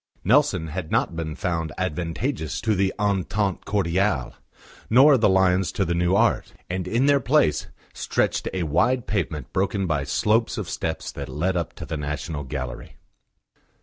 Nelson had not been found advantageous to the Entente Cordiale, nor the lions to the new art; and in their place stretched a wide pavement broken by slopes of steps that led up to the National Gallery.